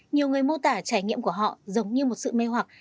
nhiều người mô tả trải nghiệm của họ giống như một sự mê hoặc